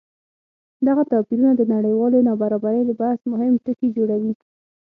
دغه توپیرونه د نړیوالې نابرابرۍ د بحث مهم ټکی جوړوي.